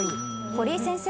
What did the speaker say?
堀井先生。